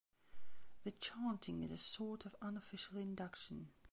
This chanting is a sort of unofficial induction.